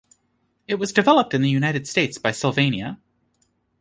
It was developed in the United States by Sylvania.